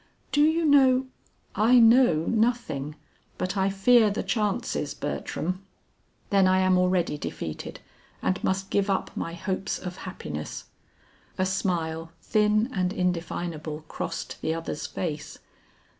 "Do you know " "I know nothing, but I fear the chances, Bertram." "Then I am already defeated and must give up my hopes of happiness." A smile thin and indefinable crossed the other's face.